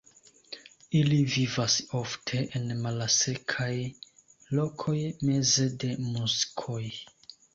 Ili vivas ofte en malsekaj lokoj meze de muskoj.